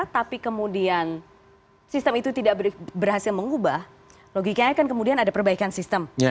tapi kemudian sistem itu tidak berhasil mengubah logikanya kan kemudian ada perbaikan sistem